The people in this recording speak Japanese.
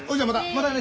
またね